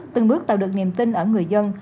từng bước tạo được niềm tin ở người dân